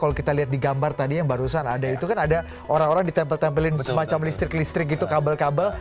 kalau kita lihat di gambar tadi yang barusan ada itu kan ada orang orang ditempel tempelin semacam listrik listrik gitu kabel kabel